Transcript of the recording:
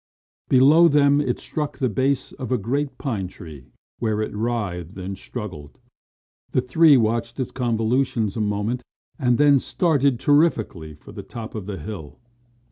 Below them it struck the base of a great pine tree, where it writhed and struggled. The three watched its convolutions a moment and then started terrifically for the top of the hill.